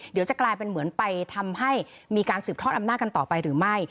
เดี๋ยวจะกลายเป็นเหมือนไปทำให้มีการสืบทอดอำนาจกันต่อไปหรือไม่